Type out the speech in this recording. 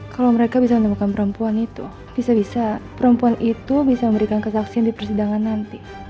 kalau mereka bisa menemukan perempuan itu bisa bisa perempuan itu bisa memberikan kesaksian di persidangan nanti